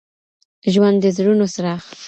ژوند د زړونو څراغ